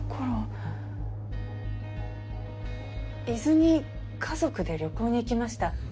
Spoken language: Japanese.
伊豆に家族で旅行に行きました。